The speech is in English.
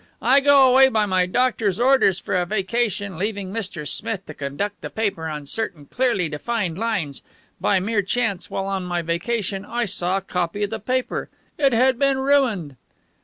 I go away by my doctor's orders for a vacation, leaving Mr. Smith to conduct the paper on certain clearly defined lines. By mere chance, while on my vacation, I saw a copy of the paper. It had been ruined."